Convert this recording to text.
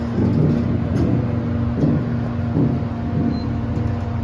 কিন্তু সঙ্গীকে এতটা এগিয়ে যেতে দেখে তাঁরও যেন আক্রমণের নেশা পেয়ে বসল।